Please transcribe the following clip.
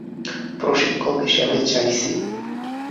প্রশিক্ষক হিসাবে চাইছি।